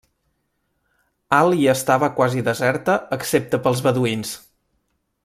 Al i estava quasi deserta excepte pels beduïns.